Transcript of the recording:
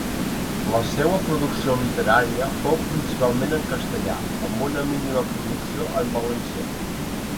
La seua producció literària fou principalment en castellà, amb una mínima producció en valencià.